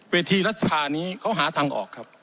เวทีรัฐศาสตร์นี้เขาหาทางออกครับ